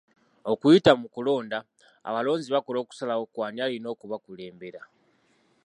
Okuyita mu kulonda, abalonzi bakola okusalawo ku ani alina okubakulembera.